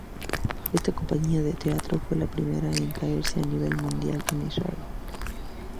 Esta compañía de teatro fue la primera en crearse a nivel municipal en Israel.